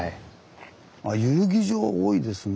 あ遊技場多いですね。